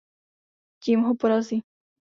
Tím ho porazí.